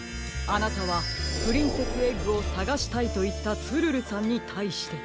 あなたは「プリンセスエッグをさがしたい」といったツルルさんにたいして。